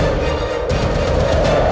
aku akan menikah denganmu